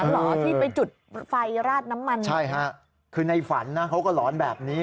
เหรอที่ไปจุดไฟราดน้ำมันใช่ฮะคือในฝันนะเขาก็หลอนแบบนี้